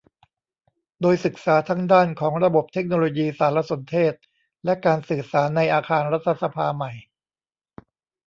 โดยศึกษาทั้งด้านของระบบเทคโนโลยีสารสนเทศและการสื่อสารในอาคารรัฐสภาใหม่